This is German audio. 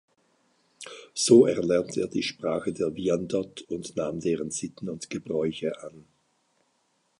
So erlernte er die Sprache der Wyandot und nahm deren Sitten und Gebräuche an.